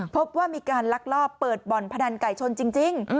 พบว่ามีการลักลอบเปิดบ่อนพนันไก่ชนจริง